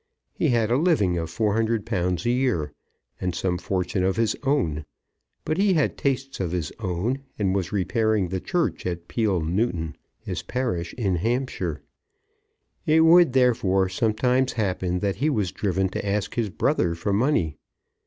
He had a living of £400 a year, and some fortune of his own; but he had tastes of his own, and was repairing the Church at Peele Newton, his parish in Hampshire. It would therefore sometimes happen that he was driven to ask his brother for money.